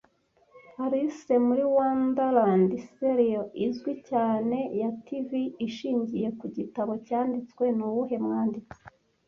'Alice muri Wonderland' Serial izwi cyane ya TV, ishingiye ku gitabo cyanditswe nuwuhe mwanditsi